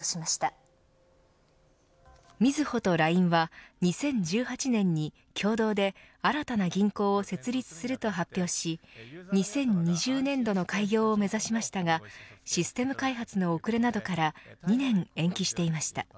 ＬＩＮＥＢａｎｋの計画をみずほとＬＩＮＥは２０１８年に共同で新たな銀行を設立すると発表し２０２０年度の開業を目指しましたがシステム開発の遅れなどから２年延期していました。